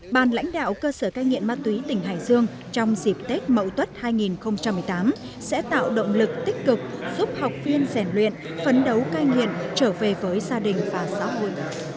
bàn lãnh đạo cơ sở cai nghiện ma túy tỉnh hải dương trong dịp tết mậu tuất hai nghìn một mươi tám sẽ tạo động lực tích cực giúp học viên rèn luyện phấn đấu cai nghiện trở về với gia đình và xã hội